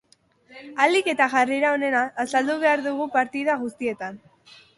Ahalik eta jarrera onena azaldu behar dugu partida guztietan.